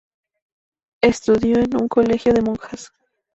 Estudió en un colegio de monjas.